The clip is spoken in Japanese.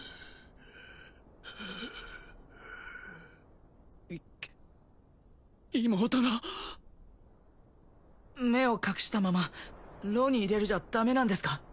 はあはあい妹の目を隠したまま牢に入れるじゃダメなんですか？